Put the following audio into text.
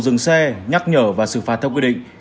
dừng xe nhắc nhở và xử phạt theo quy định